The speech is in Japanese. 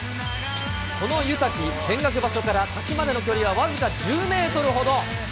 その湯滝、見学場所から滝までの距離は僅か１０メートルほど。